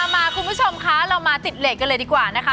มาคุณผู้ชมคะเรามาติดเลสกันเลยดีกว่านะคะ